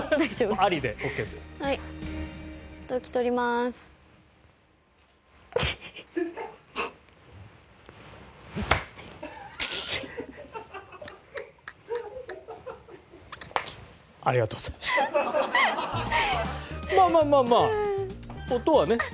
まあまあまあまあ音はね。